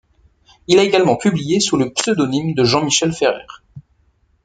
Il a également publié sous le pseudonyme de Jean-Michel Ferrer.